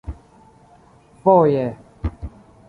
Foje.